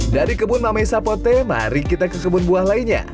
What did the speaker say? dari kebun mame sapote mari kita ke kebun buah lainnya